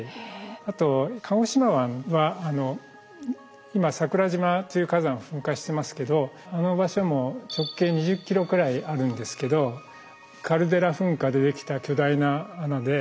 あと鹿児島湾は今桜島という火山噴火してますけどあの場所も直径２０ｋｍくらいあるんですけどカルデラ噴火でできた巨大な穴で。